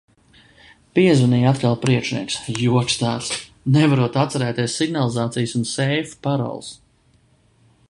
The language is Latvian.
Piezvanīja atkal priekšnieks, joks tāds. Nevarot atcerēties signalizācijas un seifu paroles.